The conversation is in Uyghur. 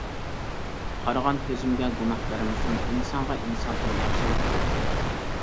قارىغان كۆزۈمگە گۇناھ بەرمىسۇن ئىنسانغا ئىنساندىن ياخشىلىق بولسۇن.